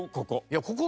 ここ。